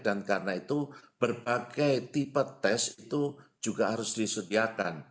dan karena itu berbagai tipe tes itu juga harus disediakan